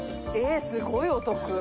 すごいお得！